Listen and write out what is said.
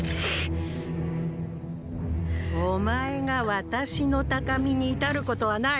お前が私の高みに至ることはない。